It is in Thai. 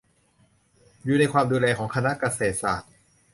อยู่ในความดูแลของคณะเกษตรศาสตร์